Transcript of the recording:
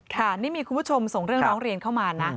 ค่ะนี่มีคุณผู้ชมส่งเรื่องร้องเรียนเข้ามานะ